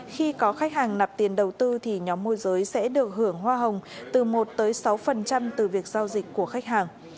khi có khách hàng nạp tiền đầu tư thì nhóm môi giới sẽ được hưởng hoa hồng từ một tới sáu từ việc giao dịch của khách hàng